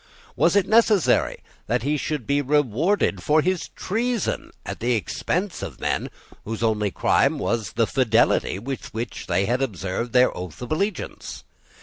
Was it necessary that he should be rewarded for his treason at the expense of men whose only crime was the fidelity with which they had observed their oath of allegiance.